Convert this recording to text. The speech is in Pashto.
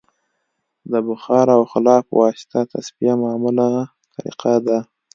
د بخار او خلا په واسطه تصفیه معموله طریقه ده